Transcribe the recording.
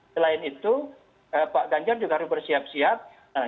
selain itu pak ganjar juga harus bersiap siap